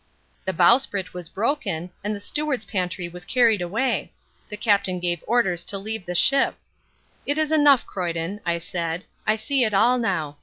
"The bowsprit was broken, and the steward's pantry was carried away. The Captain gave orders to leave the ship " "It is enough, Croyden," I said, "I see it all now.